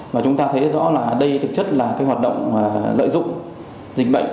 mà chúng ta thấy rõ là đây thực chất là cái hoạt động lợi dụng dịch bệnh